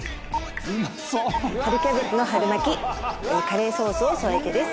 春キャベツの春巻きカレーソースを添えてです。